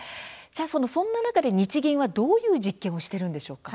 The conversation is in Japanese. そんな中で日銀はどういう実験をしているんでしょうか。